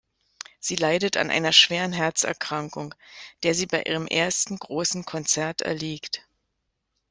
Sie leidet an einer schweren Herzerkrankung, der sie bei ihrem ersten großen Konzert erliegt.